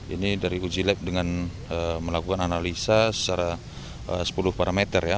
ini dari uji lab dengan melakukan analisa secara sepuluh parameter ya